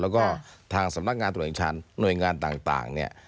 แล้วก็ทางสำนักงานตรวจแห่งชาติหน่วยงานต่างเนี่ย